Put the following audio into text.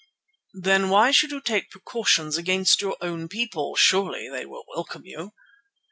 "Then why should you take precautions against your own people? Surely they will welcome you."